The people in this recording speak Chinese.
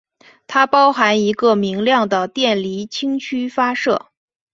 它包含一个明亮的电离氢区发射。